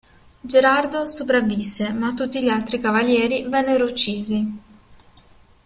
Gerardo sopravvisse ma tutti gli altri cavalieri vennero uccisi.